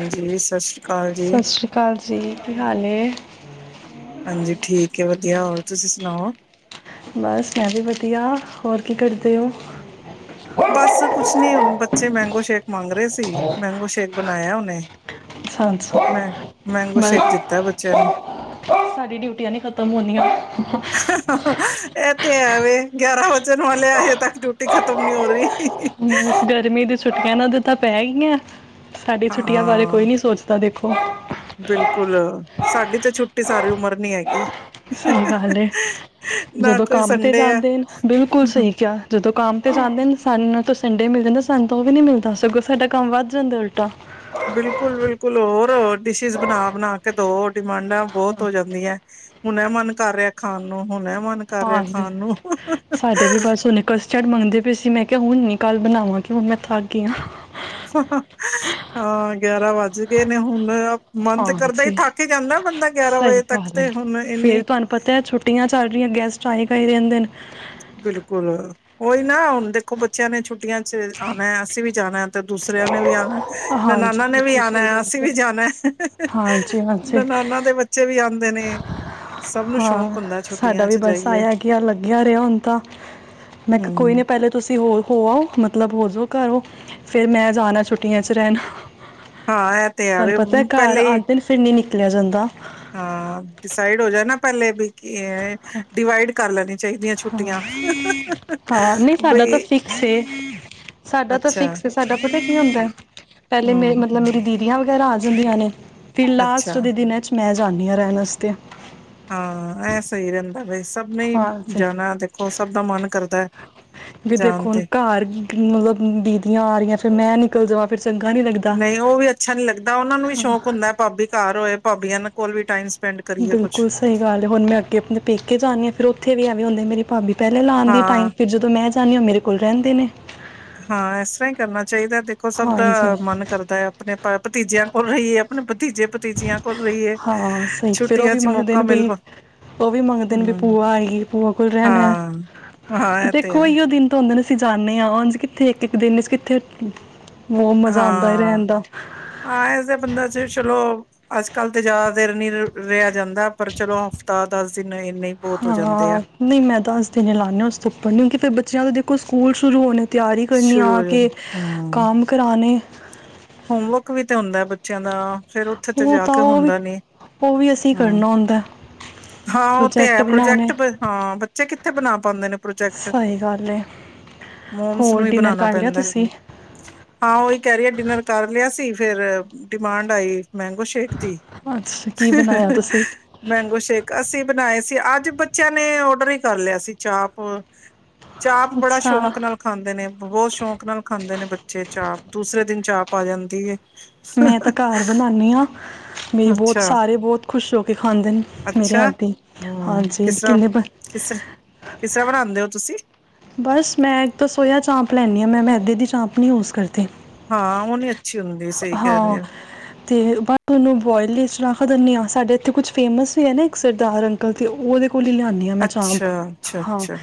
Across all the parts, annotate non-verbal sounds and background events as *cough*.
ਹਾਂਜੀ ਸਤਿ ਸ਼੍ਰੀ ਅਕਾਲ ਜੀ ਸਤਿ ਸ੍ਰੀ ਅਕਾਲ ਜੀ ਕੀ ਹਾਲ *unintelligible* ਹਾਂਜੀ ਠੀਕ ਹੈ ਵਧੀਆ ਹੋਰ ਤੁਸੀਂ ਸੁਣਾਓ ਬਸ ਮੈਂ ਵੀ ਵਧੀਆ ਹੋਰ ਕੀ ਕਰਦੇ ਹੋ ਬਸ ਕੁਛ ਨੀ ਹੁਣ ਬ ਪਛੇ ਮੈਂਗੋ ਸ਼ੇਕ ਮੰਗ ਰਹੇ ਸੀ ਮੈਂਗੋ ਸ਼ੇਕ ਬਣਾਇਆ ਉਹਨੇ ਸ ਸੌ ਮੈਂ ਮੈਂਗੋ ਬਸ ਸ਼ੇਕ ਦਿੱਤਾ ਬੱਚਿਆਂ ਨੂੰ ਸਾਡੀ ਡਿਊਟੀਆਂ ਨੀ ਖਤਮ ਹੋਣੀਆਂ ਇਹ ਤੇ ਐਵੇਂ ਗਿਆਰਾਂ ਵਜਣ ਵਾਲੇ ਆਜੇ ਤੱਕ ਡਿਊਟੀ ਖਤਮ ਨੀ ਹੋ ਰਹੀ ਬਸ ਗਰਮੀ ਦੀ ਛੁੱਟੀਆਂ ਨਾਲ ਤੇ ਤਾਂ ਪੈ ਗਈਆਂ ਸਾਡੀ ਛੁੱਟੀਆਂ ਬਾਰੇ ਹਾਂ ਕੋਈ ਨ ਸੋਚਦਾ ਦੇਖੋ ਬਿਲਕੁਲ ਸਾਡੀ ਤਾਂ ਛੁੱਟੀ ਸਾਰੀ ਉਮਰ ਨੀ ਹੈਗੀ ਸਹੀ ਗੱਲ ਨਾ ਜਦੋਂ ਕੋਈ ਕੰਮ ਤੇ ਸੰਡੇ ਆ ਜਾਂਦੇ ਨੇ ਬਿਲਕੁਲ ਸਹੀ ਕਿਹਾ ਜਦੋਂ ਕੰਮ ਤੇ ਜਾਂਦੇ ਨੇ ਸਾਨੂੰ ਸੰਡੇ ਮਿਲ ਜਾਂਦਾ ਸਨ ਤੋਂ ਉਹ ਵੀ ਨਹੀਂ ਮਿਲਦਾ ਸਗੋਂ ਸਾਡਾ ਕੰਮ ਵੱਧ ਜਾਂਦਾ ਉਲਟਾ ਬਿਲਕੁਲ ਬਿਲਕੁਲ ਹੋਰ ਡਿਸ਼ਿਿਸ ਬਣਾ ਬਣਾ ਕੇ ਦੋ ਡਿਮਾਂਡਾਂ ਬਹੁਤ ਹੋ ਜਾਂਦੀਆਂ ਹੁਣ ਇਹ ਮਨ ਕਰ ਰਿਹਾ ਖਾਣ ਨੂੰ ਹੁਣ ਐ ਮਨ ਕਰ ਰਿਹਾ ਹਾਂਜੀ ਖਾਣ ਨੂੰ ਝੜ ਮੰਗਦੇ ਪਏ ਸੀ ਮੈਂ ਕਿਹਾ ਹਣ ਨ ਕੱਲ ਬਣਾਵਾਂ ਮ ਮੈਂ ਥਾ ਗਈ ਹਾਂ ੱਜ ਗਏ ਨੇ ਹੁਣ ਮਨ ਤੇ ਕਰਦਾ ਹੀ ਹਾਂਜੀ ਥੱਕ ਹੀ ਜਾਂਦਾ ਬੰਦਾ ਗਿਆਰਾਂ ਸਹੀ ਵਜੇ ਤੱਕ ਖਾਲ ਹੈ ਤੇ ਹੁਣ ਇੰਨੀ ਫੇਰ ਤੁਹਾਨੂੰ ਪਤਾ ਹੈ ਛੁੱਟੀਆਂ ਚੱਲ ਰਹੀਆਂ ਗੈਸਟ ਚਏ ਕਹੀ ਦੇ ਹਿੰਦੇ ਨੇ ਬਿਲਕੁਲ ਉਹੀ ਨਾ ਹੁਣ ਦੇਖੋ ਬੱਚਿਆਂ ਨੇ ਛੁੱ ਚ ਆਉਣਾ ਹੈ ਅਸੀਂ ਵੀ ਜਾਣਾ ਤੇ ਦੂਸਰਿਆਂ ਨੇ ਵੀ ਆਉਣਾ ਹਾਂਜੀ ਨਨਾਨਾ ਨੇ ਵੀ ਬਿਲਕੁਲ ਆਉਣਾ ਸਹੀ ਹੈ ਗੱਲ ਅਸੀਂ ਵੀ ਕਿਹਾ। ਜਾਣਾ ਹਾਂਜੀ-ਹਾਂਜੀ ਨਨਾਨਾ ਦੇ ਬੱਚੇ ਵੀ ਆਉਂ ਨੇ ਸਭ ਨੂੰ ਸ਼ੌਕ ਹਾਂ ਹੁੰਦਾ ਸਾਡਾ ਛੁੱਟੀਆਂ ਵੀ ਚ ਬੱਸ ਜਾਈਏ ਆਇਆ ਕੀ ਆ ਲੱਗਿਆ ਰਿਹਾ ਹੁਣ ਤਾਂ ਮੈਂ ਕਿਹਾ ਕੋਈ ਹੂੰ ਨਹੀਂ ਪਹਿਲੇ ਤੁਸੀਂ ਹੋਰ ਹੋ ਆ ਮਤਲਬ ਹੋ ਜੋ ਘਰਓ ਫੇਿਰ ਮੈਂ ਜਾਣਾ ਛੁੱਟੀਆਂ ਚ ਰਹਿਣਾ ਹਾਂ ਇਹ ਤੇ ਤੁਹਾਨੂੰ ਹੈ ਪਤਾ ਘਰ ਪਹਿਲੇ ਹੀ ਆਉਂਦੇ ਨੇ ਫਿਰ ਨ ਨ ਨਿਕਲਿਆ ਜਾਂਦਾ ਹਾਂ ਡਿਸਾਈਡ ਹੋ ਜਾ ਨਾ ਪਹਿਲੇ ਵੀ ਕਿ ਡਿਵਾਈਡ ਕਰ ਲੈਣੀੀਆਂ ਚਾਹੀਦੀਆਂ ਛੁੱਟੀਆਂ ਹਾਂ ਨਹੀਂ ਸਾਡਾ ਤਾਂ ਬਈ ਫਿਕਸ ਏ। ਸਾਡਾ ਤਾਂ ਅੱਛਾ ਫਿਕਸ ਹੈਏ ਸਾਡਾ ਕੀ ਹੁੰਦਾ ਪਹਿਲੇ ਮੇ ਹਮ ਮਤਲਬ ਮੇਰੀ ਦੀਦੀ ੀਆਂ ਵਗੈਰਾ ਆ ਜਾਂਦੀਆਂ ਨੇ ਫ ਅੱਛਾ ਲਾਸਟ ਦੇ ਦਿਨਾਂ ਚ ਮੈਂ ਜਾਂਦੀ ਹਾਂ ਰਹਿਣ ਵਸ ਹਾਂ ਐ ਸਹੀ ਰਹਿੰਦਾ ਬ ਸਭ ਨੇ ਹੀ ਹਾਂ ਜਾਣਾ ਦੇਖੋ ਸਭ ਦਾ ਮਨ ਕਰਦਾ ਹੈ ਵੀ ਜਾਣ ਦੇਖੋ ਹੁਣ ਤੇ ਘਰ ਮਤਲਬ ਦੀਦੀਆਂ ਆ ਰਹੀਆਂ ਫਿਰ ਮੈਂ ਨਿਕਲ ਜਾਵਾਂ ਫਿਰ ਚੰਗਾ ਨਹੀਂ ਲੱਗਦਾ ਨਹੀਂ ਉਹ ਵੀ ਅੱਛਾ ਨੀ ਲੱਗਦਾ ਉਹਨਾ ਨੂੰ ਵੀ ਸ਼ੌਕ ਹੁੰਦਾ ਭਾਬੀ ਘਰ ਹੋਏ ਭਾਬੀਆਂ ਕੋਲ ਵੀ ਟਾਈਮ ਸਪੈਂਡ ਕਰੀਏ ਬਿਲਕੁਲ ਕੁਛ ਸਹੀ ਗੱਲ ਹੁਣ ਮੈਂ ਅੱਗੇ ਆਪਣੇ ਪੇਕੇ ਜਾਂਣੀਦੀ ਹਾਂ ਫਿਰ ਉੱਥੇ ਇਥੇ ਵੀ ਆਵੇ ਹੁੰ ਮੇਰੀ ਭਾਬੀ ਪਹਿਲੇ ਲਾਉਣ ਦੀ ਟਾਈਮ ਹਾਂ ਫਿਰ ਜਦੋਂ ਮੈਂ ਾਨੀ ਉਹ ਮੇਰੇ ਕੋਲ ਰਹਿੰਦੇ ਨੇ ਹਾਂ ਇਸ ਤਰ੍ਹਾਂ ਹੀ ਕਰਨਾ ਚਾਹੀਦਾ ਦੇਖੋ ਸਭ ਦਾ ਹਾਂਜੀ ਮਨ ਕਰਦਾ ਹੈ ਆਪਣੇ ਆਪ ਭਤੀਜਿਆਂ ਕੋਲ ਰਹੀਏ ਆਪਣੇ ਭਤੀਜੇ ਭਤੀਜਿਆਂ ਕੋਲ ਰਹੀਏ ਹਾਂ ਸਹੀ ਫੇਰ ਉਹ ਛੁੱਟੀਆਂ ਵੀ ਚ ਮੰਗਦੇ ਨੇ ਮੌਕਾ ਮਿਲ ਬਈ ਉਹ ਵੀ ਮੰਗਦੇ ਨੇ ਬ ਹਮ ਭੂਆ ਆਈਗੀ ਭੂਆ ਕੋਲ ਰਹਿਣਾ ਹਾਂ, ਹਾਂ ਕਿ ਇਹ ਤੇ ਦੇਖੋ ਹੈ ਇਹੀਓ ਦਿਨ ਤਾਂ ਹੁੰਦੇ ਨੇ ਅਸੀਂ ਜਾਂਦੇ ਹਾਂ ਹਾਂਜੀ ਕਿੱਥੇ ਇੱਕ ਇੱਕ ਦਿਨ ਚ ਕਿੱਥੇ ਉਹ ਮਜ਼ਾ ਆਉਂਦਾ ਹਾਂ ਰਹਿਣ ਦਾ ਹਾਂ ਇਸਦੇ ਬੰਦਾ ਚ ਚਲੋ ਅੱਜ ਕੱਲ ਤੇ ਜਿਆਦਾ ਦੇਰ ਨੀ ਰਿਹਾ ਜਾਂਦਾ ਪਰ ਚਲੋ ਹਫ਼ਤਾ ਦੱਸ ਹਾਂ ਨਹੀਂ ਮੈਂ ਦਸ ਦਿਨ ਲਾੇ ਹ ਉਸਦੇ ਉੱਪਰਉਂਕਿ ਫੇਿਰ ਬੱਚਿਆਂ ਸਕੂਲ ਸ਼ੁਰੂ ਹੋਣੇ ਤਿਆਰੀ ਕਰਨ ਸ਼ੁਰੂ ਆ ਹੋ ਜਾਣ ਕੇ ਹੂੰ ਕੰਮ ਕਰਾਣੇ ਹੋਮਵਰਕ ਵੀ ਤੇ ਹੁੰਦਾ ਬੱਚਿਆਂ ਦਾ ਫੇਰ ਉੱਥੇ ਤੇ ਉਹ ਜਾ ਤਾਂ ਕੇ ਉਹ ਵੀ ਹੁੰਦਾ ਨੀ ਉਹ ਵੀ ਅਸੀਂ ਹਮ ਕਰਨਾ ਹੁੰਦਾ ਹਾਂ ਉਹ ਤੇ ਹੈ ਪ੍ਰੋਜੈਕਟ ਹਾਂ ਬੱਚੇ ਕਿ ਬਣਾ ਪਾਉਂਦੇ ਨੇ। ਪ੍ਰੋਜੈਕਟ ਸਹੀ ਗੱਲ ਹੈ ਮੋਮਸ ਹੋਰ ਨੂੰ ਹੀ ਡਿਨਰ ਬਣਾਣਾ ਕਰ ਲਿਆ ਪੈਂਦਾ ਤੁਸੀਂ ਹਾਂ, ਉਹੀ ਕਹਿ ਰਹੀ ਡਿਨਰ ਕ ਸੀ ਫੇਰ ਡਿਮਾਂਡ ਆਈ‌ ਮੈਂਗੋ ਸ਼ੇਕ ਦੀ, ਅੱਛਾ ਕੀ ਬਣਾਇਆ ਤੁਸੀਂ ਮੈਂਗੋ ਸ਼ੇਕ ਅਸੀਂ ਬਣਾਏ ਸੀ। ਤੇ, ਅੱਜ ਬੱਚਿਆਂ ਨੇ ਔਡਰ ਹੀ ਕਰ ਲਿਆ ਸੀ ਚਾਪ। ਚਾਪ ਬੜਾ ਅੱਛਾ ਸ਼ੌਕ ਨਾਲ ਖਾਂਦੇ ਨੇ, ਬਹੁਤ ਸ਼ੌਂਕ ਨਾਲ ਖਾਂਦੇ ਨੇ, ਬੱਚੇ ਚਾਪ। ਦੂਸਰੇ ਦਿਨ ਚਾਪ ਪਾ ਜਾਂਦੀ ਏ। ਮੈਂ, ਤਾਂ, ਘਰ ਬਣਾਨੀ ਆ। ਮੇਰੀ ਬਹੁਤ ਅੱਛਾ ਸਾਰੇ, ਬਹੁਤ ਖੁਸ਼ ਹੋ ਕੇ ਖਾਂਦੇ ਨੇ ਮੇਰੇ ਅੱਛਾ, ਹੱਥ ਦੀ ਹਮਮ। ਹਾਂਜੀ ਕਿਸ ਤਰ੍ਹਾਂ? ਕਿੰਨੇ ਬ ਕਿਸ ਤਰ੍ਹਾਂ? ਕਿਸ ਤਰ੍ਹਾਂ ਬਣਾਉਂਦੇ ਹੋ ਤੁਸੀਂ? ਬਸ, ਮੈਂ, ਤਾਂ ਸੋਇਆ ਚਾਂਪ ਲੈਦੀ ਹਾਂ, ਮੈਂ ਮੈਦੇ ਦੀ ਚਾਂਪ ਨੀ ਯੂਜ ਕਰਦੀ। ਹਾਂ ਉਹ ਤੇ, ਨੀ ਅੱਛੀ ਹੁੰਦੀ ਸਹੀ ਕਹਿ ਹਾਂ, ਰਹੇ ਹੋ ਤੇ ਬਸ ਉਹਨੂੰ ਬੋਇਲ ਚ ਰੱਖ ਦਿਨੀ ਆ। ਸਾਡੇ ਇੱਥੇ ਕੁੱਛ ਫੇਮਸ ਵੀ ਹੈ ਨਾ, ਇੱਕ ਸਰਦਾਰ ਅੰਕਲ ਤੇ ਉਹਦੇ ਕੋਲੋ ਈ ਲਿਆਉਣੀ ਹਾ ਮੈਂ ਚਾਂਪ। ਅੱਛਾ ਅੱਛਾ ਹਾਂ, ਅੱਛਾ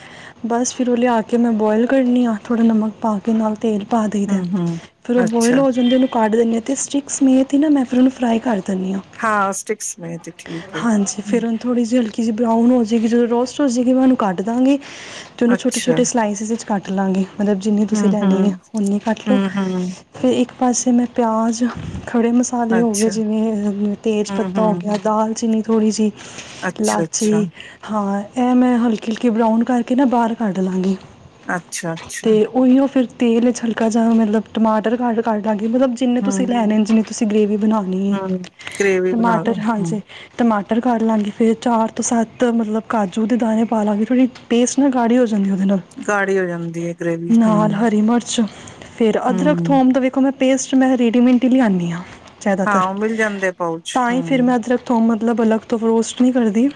ਬਸ। ਫਿਰ ਉਹ ਲਿਆ ਕੇ, ਮੈਂ ਬੋਇਲ ਕਰਨੀ ਹਾਂ। ਥੋੜ੍ਹਾ ਨਮਕ ਪਾ ਕੇ ਨਾਲ ਤੇਲ ਪਾ ਦਈਦਾ। ਹਮ ਹਮ ਫਿਰ ਉਹ ਬੌਇਲ ਅੱਛਾ ਹੋ ਜਾਂਦੇ ਨੇ। ਕੱਢ ਦਿੰਦੀ ਹਾਂ ਤੇ, ਸਟਿਕ ਮੇ ਤੇ, ਨਾ, ਮੈਂ ਫਿਰ ਉਹਨ ਫਰਾਈ ਕਰ ਤਲੀਆ। ਹਾਂ ਸਟਿਕਸ ਨੇ ਤੇ ਠੀਕ ਹੈ ਹਾਂਜੀ, ਫਿਰ ਉਹਨੂੰ ਥੋੜੀ ਜੇ ਕਿ, ਜੇ ਬਰਾਊਨ ਹੋ ਜੇਗੀ, ਜਦੋਂ ਰੋਸਟ ਹੋ ਜੇਗੀ, ਉਹਨੂੰ ਕੱਢ ਦਾਂਗੇ। ਤੇ ਉਹਨੂੰ ਅੱਛਾ ਛੋਟੇ-ਛੋਟੇ ਸਲਾਸਿਸ ਵਿੱਚ ਕੱਟ ਲਾਂਗੇ। ਮਤਲਬ, ਜਿੰਨੀ ਤੁਸੀਂ ਹਮ ਲੈਣੀ ਹੈ, ਹਮ ਉਨੀ ਕੱਟ ਲਓ। ਹਮ ਹਮ ਫਿਰ ਇੱਕ ਪਾਸੇ ਮੈਂ ਪਿਆਜ਼ ਖੜ੍ਹੇ ਮਸਾਲੇ ਹੋ ਗਏ ਅੱਛਾ ਜਿਵੇਂ, ਤੇਜ਼ ਹਮ ਪੱਤਾ ਹੋ ਹਮ ਗਿਆ, ਦਾਲਚੀਨੀ ਥੋੜੀ ਸੀ ਅੱਛਾ ਅੱਛਾ ਲਾਚੀ ਹਾਰ ਇਹ ਮੈਂ ਹਲਕੀ-ਹਲਕੀ ਬਰਾਊਨ ਕਰਕੇ ਨਾ ਬਾਹਰ ਕੱਢ ਲਾਂਗੀ। ਅੱਛਾ-ਅੱਛਾ। ਅਤੇ ਉਹੀ ਉਹ ਫਿਰ ਤੇਲ ਚ ਹਲਕਾ ਜਾ ਮਤਲਬ, ਟਮਾਟਰ ਕੱਟ *unintelligible* ਮਤਲਬ, ਜਿੰਨੇ ਤੁਸੀਂ ਹੂੰ, ਲੈਣੇ ਨੇ। ਜਿੰਨੇ, ਤੁਸੀਂ ਗ੍ਰੇਵੀ ਬਣਾਉਣੇ ਓ। ਹੂੰ ਗ੍ਰੇਵੀ ਬਣਾ ਲੋ ਟਮਾਟਰ ਹੂੰ ਹਾਂਜੀ, ਟਮਾਟਰ ਟਰ ਕਰ ਲਾਂਗੇ, ਫਿਰ ਚਾਰ ਤੋਂ ਸੱਤ, ਮਤਲਬ ਕਾਜੂ ਦੇ ਦਾਣੇ ਪਾ ਲਾਂਗੇ, ਥੋੜੀ ਟੇਸਟ ਗਾੜੀਆਂ। ਉਹਦੇ ਨਾਲ- ਗਾੜੀ ਹੋ ਜਾਂਦੀ ਹੈ ਗ੍ਰੇਵੀ ਹੂੰ। ਨਾਲ ਹਰੀ ਮਿਰਚ ਫੇਰ ਅਦਰਕ, ਹੂੰ ਥੋਮ ਦਾ ਵੇਖੋ ਮੈਂ ਪੇਸਟ ਮੈਂ ਰੇਡੀਮੇਟ ਹੀ ਲਿਆਨੀ ਹਾਂ। ਹਾਂ ਜ਼ਿਆਦਾਤਰ ਉਹ ਮਿਲ ਜਾਂਦੇ ਪਾਊਚ ਤਾਂ, ਹੀ ਫਿਰ ਹੂੰ, ਮੈਂ ਅਦਰਕ, ਥੋਮ ਮਤਲਬ, ਅਲੱਗ ਤੋਂ ਫਰੋਸਟ ਨਹੀਂ ਕਰਦੀ।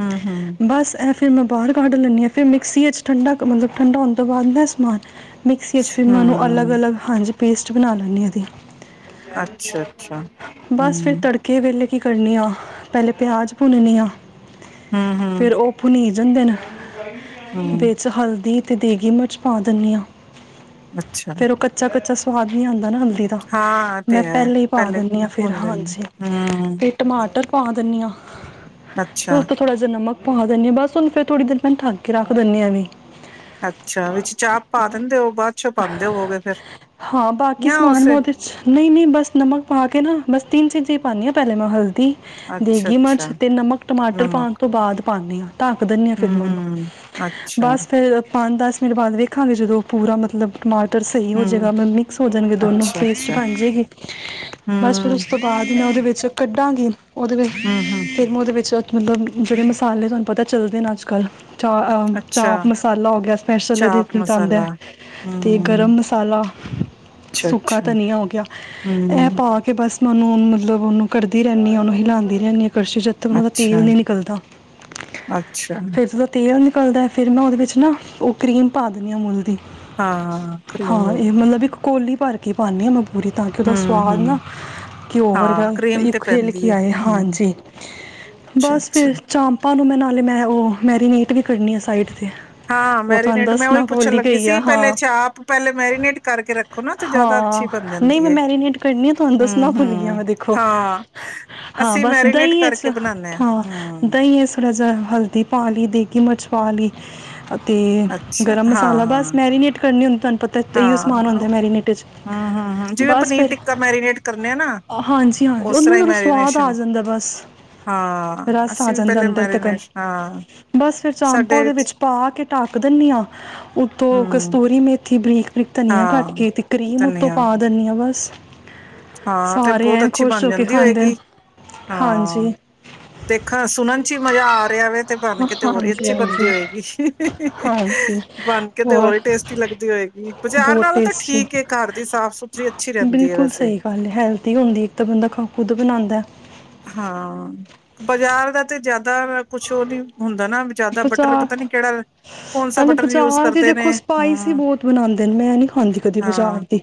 ਹੂੰ, ਹੂੰ। ਬਸ ਐਫ। ਫਿਰ ਮੈਂ ਬਾਹਰ ਕੱਢ ਲੈਂਨੀ ਹਾਂ। ਫਿਰ ਮਿਕਸੀ ਵਿੱਚਚ ਠੰਡਾ, ਮਤਲਬ ਠੰਡਾ ਹੋਣ ਤੋਂ, ਬਾਅਦ ਸਮਾਨ ਮਿਕਸੀ 'ਚ ਵੀ ਮੈਨੂੰ ਅਲੱਗ- ਹੂੰ ਅਲੱਗ ਹਾਂਜੀ। ਪੇਸਟ ਬਣਾ ਲੈਂਦੀ ਉਹਦੀ। ਅੱਛਾ, ਅੱਛਾ ਬਸ, ਫਿਰ ਹੂੰ, ਤੜਕੇ ਵੇਲੇ। ਕੀ ਕਰਨੀ ਹਾਂ, ਪਹਿਲੇ ਪਿਆਜ਼ ਭੁੰਨਨੀ ਹਾਂ। ਹੂੰ, ਹੂੰ, ਫਿਰ ਉਹ ਪੁਨੀਤ ਜਾਂਦੇ ਨੇ। ਹੂੰ ਵਿੱਚ ਹਲਦੀ। ਅਤੇ ਦੇਗੀ ਮਿਰਚ ਪਾ ਦੰਨੀ ਆਂ। ਅੱਛਾ। ਫਿਰ ਉਹ, ਕੱਚਾ- ਕੱਚਾ। ਸਵਾਦ ਨੀ ਆਂਦਾ ਨਾ। ਹਾਂ ਇਹ ਮੈਂ ਤੇ ਹੈ ਪਹਿਲੇ ਹੀ ਪਾ ਦਿੰਦੀ ਹਾਂ, ਫਿਰ ਭੁੰਨ ਜਾਂਦੇ ਹਾਂਜੀ ਹੂੰ ਤੇ, ਟਮਾਟਰ ਪਾ ਦਿੰਨੀ ਹਾਂ। ਫ ਅੱਛਾ। ਉਥ ਥੋੜਾ ਜਿਹਾ ਨਮਕ। ਪਾ ਦਦੇ ਹ ਬਸ ਹੁਨ ਫੇਰ ਥੋੜੀ ਨ ਮੈਨੂੰ ਥੱਕ ਕੇ ਰੱਖ ਦਿੰਦੇ ਹਾਂ ਵੀ। ਅੱਛਾ ਵਿੱਚ ਚਾਪ ਪਾ ਦਿੰਦੇ ਹੋ ਬਾਅਦ ਚੋਂ ਪਾਉਂਦੇ ਹੋਵੋਗੇ ਫਿਰ ਹਾਂ ਬਾਕੀ ਜਾਂ ਸਮਾਨ, ਮੈ ਉਸੇ ਉਹਦੇ ਚ ਨਹੀਂ- ਨਹੀਂ ਬਸ ਨਮਕ ਪਾ ਕੇ, ਨਾ। ਬਸ ਤਿੰਨ ਚੀਜ਼ਾਂ ਹੀ ਪਾਂਨੀ ਹਾਂ, ਪਹਲੇ ਮੈਂ ਹ- ਅੱਛਾ, ਦੇਗੀ ਮਿਰਚ ਅੱਛਾ ਤੇ ਨਮਕ, ਟਮਾਟਰ ਪਾਉਣ ਨਮਕ ਤੋਂ ਬਾਅਦ, ਪਾਉਂਦੇ ਹਾਂ। ਢਾਕ ਦਿੰਦੀ ਹ ਫਿਰ ਮੈਂ ੳਨੂੰ। ਹਮ ਅੱਛਾ। ਪੰਜ ਦਸ ਮਿੰਟ ਬਾਅਦ ਵੇਖਾਂਗੇ, ਜਦੋਂ ਉਹ ਪੂਰਾ ਮਤਲਬ ਟਮਾਟਰ। ਧ ਸਹੀ ਹੋ ਹੂੰ ਜਾਵੇਗਾ, ਮਿਕਸ ਹੋ ਜਾਣਗੇ, ਦੋਨੋਂ ਅੱਛਾ, ਪੇਸਟ ਅੱਛਾ ਬਣ ਜਾਵੇਗੀ ਬਸ ਫਿਰ ਹੂੰ। ਉਸ ਤੋਂ ਬਾਅਦ ਮੈਂ ਉਹਦੇ ਵਿੱਚ ਕੱਢਾਂਗੀ। ਓਦੇ ਹੂੰ-ਹੂੰ, *unintelligible* ਮਲਬ ਜੇੜੇ ਮਸਾਲੇ ਤੁਹਾਨੂੰ ਪਤਾ ਚੱਲਦੇ ਨੇ ਅੱਜ ਕੱਲ। ਚਾ ਆ ਅੱਛਾ ਚਾਹ ਮਸਾਲਾ ਹੋ ਗੇਆ ਸਪੈਸ਼ਲ ਏਦੇ ਚਾਪ *unintelligible* ਆਂਦੈ ਮਸਾਲਾ ਤੇ ਹੂੰ, ਗਰਮ ਮਸਾਲਾ, ਸੁੱਕਾ ਅੱਛਾ-ਅੱਛਾ ਧਨੀਆ ਹੋ ਗੇਆ ਐ ਹੂੰ, ਪਾ ਕੇ ਬਸ ਉਨੂੰ, ੳਨੂੰ ਮਤਲਬ ਉਨੂੰ ਕੜਦੀ ਰੈਨੀ ਆ ਉਨੂੰ ਹਿਲਾਂਦੀ ਰੈਂਨੀ ਆਂ। ਕਸ਼ੀ ਚ ਜੱਥ ਤਕ ਓਨਾਂ ਦਾ ਤੇਲ ਨੀ ਅੱਛਾ-ਅੱਛਾ ਨਿਕਲਦਾ ਫੇਰ ਜਦੋ ਤੇਲ ਨਿਕਲਦੈ ਫਿਰ ਮੈਂ ਓਦੇ ਵਿੱਚ ਨਾ, ਓ ਕੀ੍ਮ ਪਾ ਦਿੰਨੀ ਆਂ ਮੁੱਲ ਦੀ। ਹਾਂ, ਹਾਂ ਕਰ ਹਾਂ ਇਹ *unintelligible* ਮਤਲਬ ਇੱਕ ਕੋਲੀ ਭਰ ਕੇ ਪਾੰਨੀ ਆ ਮ *unintelligible* ਸਵਾਦ ਹੂੰ-ਹੂੰ, ਨਾ ਘਿਔ ਹਾਂ ਕਰੀਮ ਤੇ ਪੈਂਦੀ ਏ *unintelligible* ਹੂੰ, ਹਾਂਜੀ ਬਸ ਅੱਛਾ-ਅੱਛਾ ਫਿਰ ਚਾਪ ਓਨੂੰ ਮੈਂ ਨਾਲੇ ਮੈਂ ਓ ਮੈਰੀਨੇਟ *unintelligible* ਆ ਸਾਈੜ ਹਾਂ ਮੈਰੀਨੇਟ ਮੈਂ ਓਈ ਪੁੱਛਨ ਹੀ ਲੱਗੀ ਗਈ ਸੀ। ਆ ਪੈਲੇ ਹਾਂ ਚਾਪ ਪੈਲੇ ਮੈਰੀਨੇਟ ਕਰਕੇ ਰੱਖੋ ਨਾ, ਤੇ ਜ਼ਿਆਦਾ ਹਾਂ ਅੱਛੀ ਬਨ ਨਹੀਂ ਜਾਂਦੀ ਮੈਂ ਏ। ਮੈਰੀਨੇਟ ਕਰਨੀ ਆ ਤੁਹਾਨੂੰ ਦੱਸਣਾ ਹੂੰ, ਭੁੱਲ ਗਈ ਆ ਹੂੰ ਮੈਂ ਦੇਖੋ ਹਾਂ ਹਾਂ ਅਸੀਂ ਬਸ ਮੈਰੀਨੇਟ ਦਹੀਂ ਵਿੱਚ ਕਰਕੇ ਬਨਾਨੇ ਆ ਹਾਂ ਹੂੰ ਹੂੰ। ਦਹੀਂ ਵਿੱਚ ਥੋੜ੍ਹਾ ਜਿਹਾ ਹਲਦੀ ਪਾਣੀ ਦੀ। ਕਿ ਮਛਵਾ ਲਈ ਤੇ ਅੱਛਾ ਗਰਮ ਮਸਾਲਾ ਹਾਂ-ਹਾਂ, ਬਸ ਮੈਰੀਨੇਟ ਕਰਨੀ ਹੁੰਦੀ। ਤੁਆਨੂੰ ਪਤਾ ਇਓ ਸਮਾਨ ਹਾਂ ਹੁੰਦਾ ਮੈਰੀਨੇਟ ਚ ਹੂੰ-ਹੂੰ, ਹੂੰ ਜਿਵੇਂ ਬਸ, ਪਨੀਰ ਫਿਰ ਟਿੱਕਾ ਮੈਰੀਨੇਟ ਕਰਨੇ ਆ ਨਾ ਹਾਂਜੀ ਹਾਂ ਉਸ ਓਨੂ ਨੂੰ ਤਰ੍ਹਾਂ ਹੀ ਥੋੜਾ ਸਵਾਦ ਆ ਮੈਰੀਨੇਸ਼ਨ ਜਾਂਦਾ। ਬਸ ਹਾਂ ਰਸ ਆ ਅਸੀਂ ਵੀ ਜਾਂਦਾ ਪਹਿਲੇ ਅੰਦਰ ਤਕਨ ਮੈਰੀਨੇਸ਼ਨ ਹਾਂ ਬਸ ਫਿਰ ਚਾਂਮਪਾ ਓਦੇ ਵਿੱਚ ਪਾ ਕੇ ਢਾਕ ਦਿਨੀ ਆ ਉਤੋ ਹਮ ਕਸਤੂਰੀ ਮੇਥੀ ਬਰੀਕ, ਬਰੀਕ ਧਨੀਆ ਕੱਟ ਹਾਂ ਕੇ ਤੇ ਕਰੀਮ ਉੱਤੋਂ ਧਨੀਆ ਪਾ ਦਨੀ ਆ ਬਾਸ ਹਾਂ ਤੇ ਬੋਤ ਅੱਛੀ ਬਨ ਹੋ ਕੇ ਜਾਂਦੀ ਖਾਂਦੇ ਨੇ ਹੋਏਗੀ। ਹਾਂਜੀ ਹਾਂ ਦੇਖਨ ਸੁਨਨ ਚ ਈ ਮਜ਼ ਆ ਰੇਹਾ ਵੇ ਤੇ *unintelligible* ਬਨ ਕੇ ਤੇ ਹੋਰ ਈ ਹਾਂਜੀ ਅੱਛੀ ਬਨਦੀ ਹਾਂਜੀ ਹੋਏਗੀ, ਬਨ ਕੇ ਤੇ ਹੋਰ ਹੀ ਟੇਸਟੀ ਲੱਗਦੀ ਹੋਏਗੀ, ਬਜਾਰ ਨਾਲੋਂ ਤਾਂ ਠੀਕ ਏ, ਘਰ ਦੀ ਸਾਫ਼ ਸੁਥਰੀ ਅੱਛੀ ਰੈਂਦੀ ਹੈ ਬਿਲਕੁਲ ਵੈਸੇ। ਸਹੀ ਹੈਲਦੀ ਹੁੰਦੀ ਇੱਕ ਤਾਂ ਬੰਦਾ ਖੁਦ ਬਣਾਂਦੇ। ਹਾਂ ਬਜਾਰ ਦਾ ਤੇ ਜੇਆਦਾ ਕੁਛ ਉਹ ਨੀ ਹੁੰਦਾ ਨਾ ਜਿਆਦਾ ਬਟਰ ਬਾਜ਼ਾਰ ਪਤਾ ਨੀ ਕੇੜਾ ਕੌਨਸਾ ਨਾਲੇ ਬਟਰ ਯੂਜ਼ ਬਾਜ਼ਾਰ ਦੀ ਕਰਦੇ ਦੇਖੋ ਨੇ। ਸਪਾਈਸ ਹੀ ਹੂੰ, ਬਹੁਤ ਬਣਾਉਂਦੇ ਨੇ ਮੈਂ ਨਹੀਂ ਖਾਂਦੀ ਕਦੀ ਬਾਜ਼ਾਰ ਹਾਂ, ਦੀ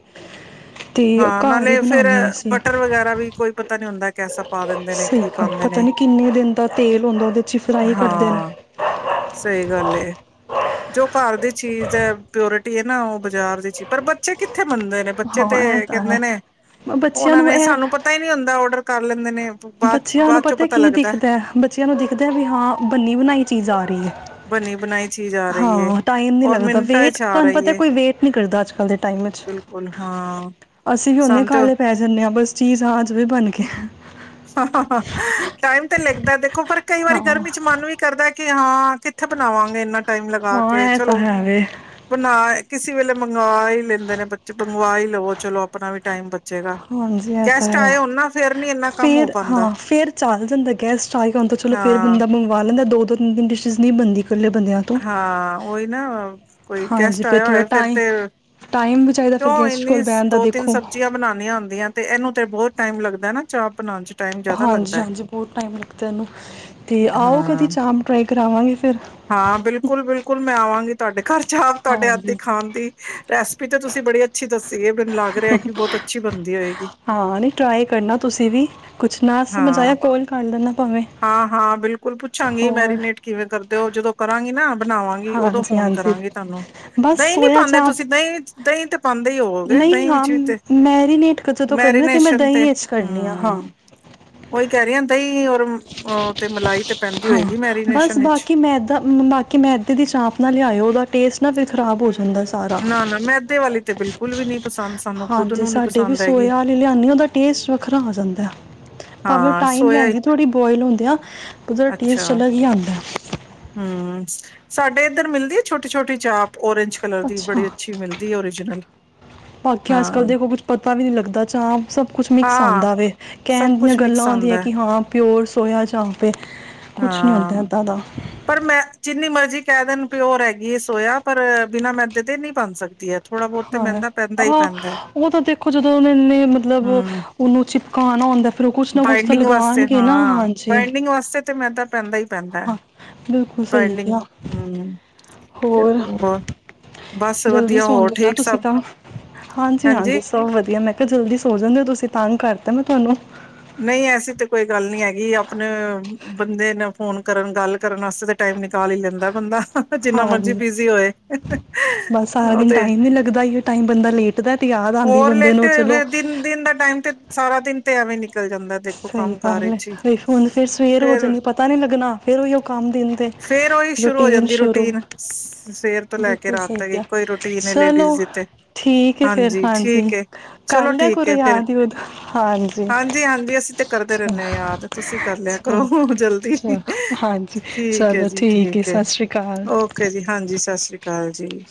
ਤੇ ਹਾਂ ਘਰ ਹੀ ਨਾਲੇ ਫੇਰ ਬਣਾਉਂਦੇ ਹਾਂ ਅਸੀਂ ਬਟਰ ਵਗੈਰਾ ਵੀ ਕੋਈ ਪਤਾ ਨੀ ਹੁੰਦਾ *unintelligible* ਨੇ ਸਹੀ ਕੀ ਗੱਲ ਪਾਉਂਦੇ ਪਤਾ ਨੇ ਨੀ ਕਿੰਨੇ ਦਿਨ ਦਾ ਤੇਲ ਹੂੰਦਾ, ਓਦੇ ਚ ਫਰਾਈ ਕਰਦੇ ਨੇ ਹਾਂ ਸਹੀ ਗੱਲ ਏ ਜੋ ਘਰ ਦੀ ਚੀਜ਼ ਐ, ਪਿਓਰਟੀ ਏ ਨਾ ਓ ਬਜਾਰ ਦੀ ਚੀਜ ਪਰ ਬੱਚੇ ਕਿ ਕਿੱਥੇ ਮੰਨਦੇ ਨੇ ਬੱਚੇ ਹਾਂ ਇਹ ਤੇ ਤਾਂ ਕੈਂਦੇ ਹੈ ਨੇ ਓਨਾਂ ਨੇ ਸਾਨੂੰ ਪਤਾ ਈ ਨੀ ਹੁੰਦਾ ਓਰਡਰ *inaudible* ਬੱਚੇਆਂ ਨੂੰ ਪਤਾ ਕੀ ਦਿਖਦਾ ਐ, ਬੱਚੇਆਂ ਨੂੰ ਦਿਖਦਾ ਹੈ ਵੀ ਹਾਂ ਬੰਨੀ ਬਨਾਈ ਚੀਜ ਆ ਰੀ ਐ, ਬਣੀ ਬਣਾਈ ਚੀਜ਼ ਆ ਰਹੀ ਹੈ ਹਾਂ ਟਾਈਮ ਨੀ ਔਰ ਲੱਗਦਾ ਮਿੰਟਾਂ ਵੇਟ ਚ ਆ ਤੁਹਾਨੂੰ ਰਹੀ ਪਤਾ ਹੈ ਕੋਈ ਵੇਟ ਨੀ ਕਰਦਾ ਅੱਜ- ਕੱਲ ਦੇ ਟਾਈਮ ਚ ਬਿਲਕੁਲ ਹਾਂ ਅਸੀਂ ਵੀ ਓਨੇ ਸਾਨੂੰ ਤੇ ਕਾਲੇ ਪੈ ਜਾਨੇ ਆਂ ਬਸ ਚੀਜ ਆ ਜਵੇ ਬਨ ਕੇ ਹਾਂ ਹਾਂ ਹਾਂ ਟਾਈਮ - *unintelligible* ਓ ਪਰ ਕਈ ਵਾਰੀ ਹਾਂ। ਗਰਮੀ ਚ ਮਨ ਵੀ ਕਰਦਾ ਏ ਕਿ ਕਿ, ਹਾਂ ਕਿੱਥੇ, ਬਣਾਵਾਂਗੇ ਇਹਨਾਂ ਟਾਈਮ ਲਗਾ ਕੇ ਹਾਂ ਇਹ ਤਾਂ ਚਲੋ, ਹੈ ਵੇ ਬਣਾ ਕਿਸੇ ਵੇਲੇ ਮੰਗਵਾ ਹੀ ਲੈਂਦੇ ਨੇ ਬੱਚੇ ਮੰਗਵਾ ਹੀ ਲਵੋ, ਚਲੋ ਆਪਣਾ ਵੀ ਟਾਈਮ ਬਾ ਚੇਗਾ ਹਾਂਜੀ ਇਹ ਤਾਂ ਗੈਸਟ ਹੈ। ਆਏ ਨਾ ਫੇਰ ਨੀ ਇੰਨਾ ਕੰਮ ਹੋ ਫੇਰ ਪਾਉਂਦਾ ਹਾਂ, ਫੇਰ ਚੱਲ ਜਾਂਦਾ ਗੈਸਟ ਆ ਗਿਆ, ਹ ਚਲੋ ਫੇਰ ਹਾਂ ਬੰਦਾ ਮੰਗਵਾ ਲੈਂਦਾ ਦੋ ਤਿੰਨ, ਤਨ ਡਿਸ਼ਿਸ ਨਹੀਂ ਬਨਦੀ ਹਾਂ, ਉਹੀ ਨਾ ਕੋਈ ਹਾਂਜੀ ਗੈਸਟ ਫੇਰ ਆਇਆ ਥੋੜ੍ਹਾ ਹੋਏ ਟਾਈਮ, ਤੇ ਟਾਈਮ ਵੀ ਚਾਹੀਦਾ ਫਿਰ ਕਿਉਂ ਗੈਸਟ ਇੰਨੀ ਕੋਲ ਬਹਿਣ ਦਾ ਦੋ, ਤਿੰਨ ਦੇਖੋ ਸਬਜ਼ੀਆਂ ਬਣਾਨੀਆਂ ਹੁੰਦੀਆਂ ਤੇ ਇਹਨੂੰ ਤੇ ਬਹੁਤ ਟਾਈਮ ਲੱਗਦਾ ਨਾ ਚਾਹ ਬਣਾਉਣ ਚ। ਟਾਈਮ ਜ਼ਿਆਦਾ ਹਾਂਜੀ ਲੱਗਦਾ ਹੈ -ਹਾਂਜੀ ਬਹੁਤ ਟਾਈਮ ਲੱਗਦਾ ਇਹਨੂੰ ਤੇ, ਆਓ ਕਦੀ ਹਾਂ ਚਾਹ ਟਰਾਈ ਕਰਾਵਾਂਗੇ ਫਿਰ ਹਾਂ, ਬਿਲਕੁਲ -ਬਿਲਕੁਲ। ਮੈਂ ਆਵਾਂਗੀ ਤੁਹਾਡੇ ਘਰ ਚਾਪ ਤੁਹਾਡੇ ਹਾਥ ਦੀ ਹਾਂਜੀ। ਖਾਣ ਦੀ, ਰੈਸਪੀ ਤੋਂ ਤੁਸੀਂ ਬੜੀ ਅੱਛੀ ਦ ਇਹ ਮੈਨੂੰ ਲੱਗ ਰਿਹਾ ਕਿ, ਬਹੁਤ ਅੱਛੀ ਬਣਦੀ ਹੋਏਗੀ, ਹਾਂ ਨਹੀਂ ਟਰਾਈ ਕਰਨਾ ਤੁਸੀਂ ਵੀ ਕੁਛ ਨਾ ਸਮਝ ਹਾਂ ਆਇਆ ਕੋਲ ਕਰ ਲੈਣਾ ਭਾਵੇਂ -ਹਾਂ ਹਾਂ ਬਿਲਕੁਲ ਪੁੱਛਾਂਗੇ, ਹੋਰ ਮੈਰੀਨੇਟ ਕਿਵੇਂ ਕਰ ਤੇ, ਉਹ ਜਦੋਂ ਕਰਾਂਗੀ ਨਾ ਬਣਾਵਾਂਗੀ ਉਦੋਂ ਫੋਨ ਹਾਂਜੀ-ਹਾਂਜੀ ਕਰਾਂਗੇ ਤੁਹਾਨੂੰ ਬਸ ਦਹੀਂ ਨਹੀਂ ਸੋਇਆ ਪਾਉਂਦੇ, ਚਾਪ ਤੁਸੀਂ ਦਹੀਂ ਦਹੀਂ ਤੇ ਪਾਉਦੇ ਹੀ ਹੋਵਗੇ ਨਹੀਂ ਦਹੀਂ ਹਾਂ ਵਿੱਚ ਵੀ ਤੇ, ਮੈਰੀਨੇਟ ਜਦੋਂ ਕਰਨਾ ਮੈਂ ਮੈਰੀਨੇਸ਼ਨ ਤੇ ਦਹੀਂ ਚ ਕਰਨੀ ਆ ਹਾਂ। ਹਮ ਉਹੀ ਕਹਿ ਰਹੀ ਹ ਦਹੀਂ ਔਰ ਤੇ, ਮਲਾਈ ਤੇ ਪੈਂਦੀ ਹੋਏਗੀ ਮੈਰੀਨੇਸ਼ਨ ਵਿਚ। ਤਾਂ ਬਾਕੀ ਮੈਂ ਇੱਦਾਂ ਦੀ ਚਾਂਪ ਨਾ ਲਿਆਇਓ, ਉਹਦਾ ਟੇਸਟ ਨਾ ਫੇਰ ਖ਼ਰਾਬ ਹੋ ਜਾਵੇ ਨਾ -ਨਾ ਮੈਦੇ ਵਾਲੀ ਤੇ, ਬਿਲਕੁਲ! ੁਲ ਵੀ ਨਹੀਂ‌ ਹਾਂਜੀ, ਸਾਡੇ ਵੀ ਸੋਆ ਵਾਲੀ ਲਿਆਨੀ ਉਹਦਾ ਟੇਸਟ ਵੱਖਰਾ ਆ ਜਾਂਦਾ। ਭਾਵੇਂ ਉਹ ਹਾਂ ਟਾਈਮ ਸੋਇਆ ਹੀ ਲੈਂਦੀ ਥੋੜੀ ਬੌਇਲ ਹੁੰਦੇਆ, ਉਹਦਾ ਟੇਸਟ ਅੱਛਾ ਅਲੱਗ ਹੀ ਆਂਦਾ ਹਮ ਸਾਡੇ ਇੱਧਰ ਮਿਲਦੀ ਹੈ, ਛੋਟੀ- ਛੋਟੀ ਚਾਪ ਓਰਂਜ ਕਲਰ ਦੀ ਅੱਛਾ ਬੜੀ ਅੱਛੀ ਮਿਲਦੀ ਓਰੀਜਨਲ ਬਾਕੀ ਅੱਜ, ਕੱਲ ਹਾਂ-ਹਾਂ ਦੇਖੋ ਕੁਛ ਪਤਾ ਵੀ, ਨੀ ਲੱਗਦਾ ਚਾਪ ਸਭ ਕੁਛ ਮਿਕਸ ਆਉਂਦਾ ਵੇ ਸਭ ਕਹਿਣ ਦੀਆਂ ਕੁਛ ਗੱਲਾਂ ਮਿਕਸ ਹੁੰਦੀਆਂ ਆਉਂਦਾ ਹੈ ਕਿ, ਹਾਂ ਪਿਓਰ ਸੋਇਆ ਚਾਂਪ ਏ, ਕੁਛ ਨਹੀਂ ਹੁੰਦਾ ਹਾਂ ਇੱਦਾਂ ਦਾ ਪਰ, ਮੈਂ ਜਿੰਨੀ ਮਰਜ਼ੀ ਕਹਿ ਦੇਣ ਪਿਓਰ ਹੈਗੀ ਸੋਯਾ, ਪਰ ਬਿਨਾਂ ਮੈਦੇ ਤੇ ਨਹੀਂ ਬਣ ਸਕਦੀ। ਥੋੜ੍ਹਾ ਬਹੁਤ ਤੇ ਹਾਂ, ਮਹਿੰਦਾ ਪੈਂਦਾ ਹੀ ਆਹੋ ਪੈਂਦਾ ਹੈ ਉਹ ਤਾਂ, ਦੇਖੋ ਜਦੋਂ ਉਹ ਨੇ ਮਤਲਬ, ਹਮ ਉਹਨੂੰ ਚ ਾ਼ਨ ਹੁੰਦਾ ਫਿਰ ਉਹ ਕੁਛ ਨਾ ਕੁਛ ਤਾਂ ਬਾਈਡਿੰਗ ਵਾਸਤੇ ਲਗਾਉਣਗੇ ਨਾ ਹਾਂ, ਹਾਂਜੀ ਬਾਈਡਿੰਗ ਵਾਸਤੇ ਤੇ ਮੈਂ ਤਾਂ ਪੈਂਦਾ ਹੀ ਪੈਂਦਾ ਹੈ ਹਾਂ ਬਿਲਕੁਲ ਸਹੀ ਬਾਈਡਿੰਗ ਕਿਹਾ ਹਮ ਤੇ ਹੋਰ ਉਹ ਬਸ ਜਲਦੀ ਵਧੀਆ ਹੋਰ ਸੌਂਦੇ ਹੋ ਨਾ ਠੀਕ। ਤੁਸੀਂ ਸਭ ਤਾਂ ਹਾਂਜੀ- ਹਾਂਜੀ ਸਭ ਵਧੀਆ ਮੈਂ ਕਿਹਾ ਜਲਦੀ ਸੋਚਣਦੇ ਹੋ ਤੁਸੀਂ ਤਾਂ ਕਰ। ਕਰਤਾ ਮੈਂ ਤੁਵਾਨੂੰ। ਨਹੀਂ ਐਸੀ ਤੇ ਕੋਈ ਗੱਲ ਨੀ ਹੈਗੀ, ਆਪਣੇ ਅ ਬੰਦੇ ਨੇ ਫੋਨ ਕਰਨ ਗੱਲ ਕਰਨ ਅਸਤੇ ਤੇ ਟਾਈਮ ਨਿਕਾਲ ਈ ਲੈਂਦਾ ਬੰਦਾ। ਜਿੰਨਾ ਮਰਜ਼ੀ ਹਾਂਜੀ, ਬਿਜ਼ੀ ਹੋਏ ਬਸ ਸਾਰਾ ਉਹ ਦਿਨ ਤੇ ਟਾਈਮ ਨੀ ਲੱਗਦਾ ਅਈਔ ਟਾਈਮ ਬੰਦਾ ਲੇਟਦੈ। ਹੋਰ ਲੇਟੇ ਹੋਏ ਫੇਰ ਦਿਨ ਦਿਨ ਦਾ ਟਾਈਮ ਤੇ ਸਾਰਾ ਦਿਨ ਤੇ ਐਵੇ ਹੀ ਨਿ ਸਹੀ ਗੱਲ ਐ, ਹੁਣ ਫੇਰ ਸਵੇਰ ਹੋ ਫਿਰ ਜਾਣੀ ਏ ਪਤਾ ਨੀ ਲੱਗਣਾ ਫੇਰ ਓਹੀਓ ਕੰਮ ਦਿਨ ਦੇ। ਫੇਰ ਓਹੀ ਸ਼ੁਰੂ ਹੋ ਰੂਟੀਨ ਜਾਂਦੀ ਏ ਸ਼ੁਰੂ ਰੂਟੀਨ ਸ਼ ਸਵੇਰ ਤੋਂ ਲੈ ਕੇ ਬਿਲਕੁਲ ਰਾਤ ਸਹੀ ਤੱਕ ਕਿਹਾ ਇਕੋਂ ਈ ਰੂਟੀਨ ਏ ਚਲੋ ਲੇਡੀਜ਼ ਦੀ ਤੇ। ਠੀਕ ਐ ਫੇਰ ਹਾਂਜੀ ਠੀਕ ਏ ਕਰ ਚਲੋ ਲਿਆ ਠੀਕ ਕਰੋ ਏ ਫੇਰ ਯਾਦ ਯੂਦ ਹਾਂਜੀ ਹਾਂਜੀ-ਹਾਂਜੀ। ਕਰਦੇ ਰੈਣੇ ਚਲੋ ਯਾਦ, ਤੁਸੀਂ ਕਰ ਲਿਆ ਕਰੋ ਜਲਦੀ। ਚਲੋ ਹਾਂਜੀ ਠੀਕ ਏ ਚਲੋ ਜੀ ਐ ਠੀਕ ਏ। ਸਤਿ ਸ਼੍ਰੀ ਅਕਾਲ ਓਕੇ ਜੀ, ਹਾਂਜੀ ਸਤ ਸ੍ਰੀ ਕਾਲ। ਹਾਂਜੀ।